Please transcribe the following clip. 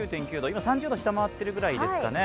今、３０度を下回ってるくらいですかね。